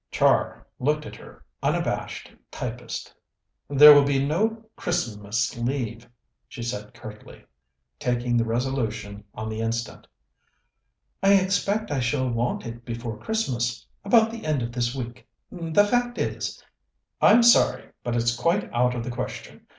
Char looked at her unabashed typist. "There will be no Christmas leave," she said curtly, taking the resolution on the instant. "I expect I shall want it before Christmas about the end of this week. The fact is " "I'm sorry, but it's quite out of the question.